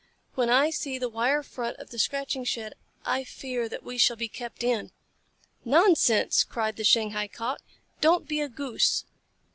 When I see the wire front of the scratching shed, I fear that we shall be kept in." "Nonsense!" cried the Shanghai Cock. "Don't be a Goose.